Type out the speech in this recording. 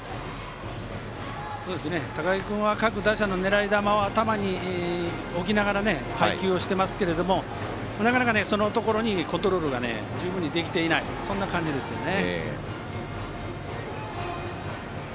高木君は各打者の狙い球を頭に置きながら配球をしていますけどなかなか、そのところにコントロールが十分にできていない感じですね。